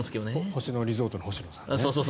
星野リゾートの星野さんね。